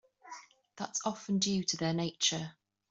That's often due to their nature.